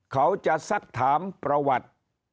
เขาจะสักถามประวัติ